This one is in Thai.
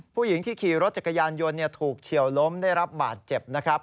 ผู้หญิงที่ขี่รถจักรยานยนต์ถูกเฉียวล้มได้รับบาดเจ็บนะครับ